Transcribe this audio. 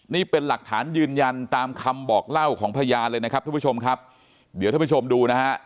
นี่เป็นหลักฐานยืนยันตามคำบอกเล่าของพยานเลยนะครับทุกผู้ชมครับเดี๋ยวท่านผู้ชมดูนะฮะ